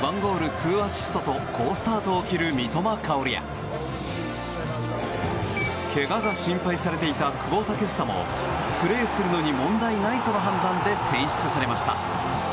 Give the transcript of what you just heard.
２アシストと好スタートを切る三笘薫やけがが心配されていた久保建英もプレーするのに問題ないとの判断で選出されました。